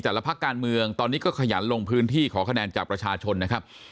พักการเมืองตอนนี้ก็ขยันลงพื้นที่ขอคะแนนจากประชาชนนะครับ